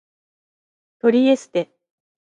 トリエステ